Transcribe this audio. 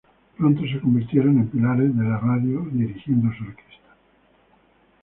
Pronto, se convirtieron en pilares de la radio dirigiendo su orquesta.